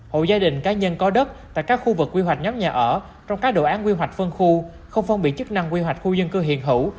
hộ gia đình cá nhân có đất tại các khu vực quy hoạch nhóm nhà ở trong các đồ án quy hoạch phân khu không phân biệt chức năng quy hoạch khu dân cư hiện hữu